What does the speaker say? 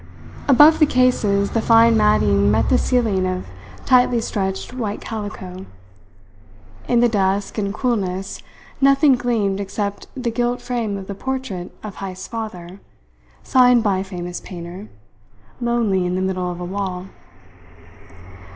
Above the cases the fine matting met the ceiling of tightly stretched white calico. In the dusk and coolness nothing gleamed except the gilt frame of the portrait of Heyst's father, signed by a famous painter, lonely in the middle of a wall.